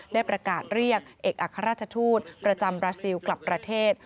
ได้ประกาศเรียกเอกอัครราชทูตประจำบราซิลกลับประเทศ